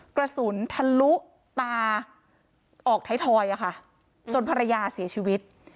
กระสุนทะลุตาออกไทยทอยจนภรรยาเสียชีวิต